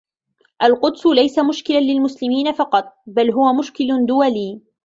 القدس ليس مشكلا للمسلمين فقط، بل هو مشكل دولي.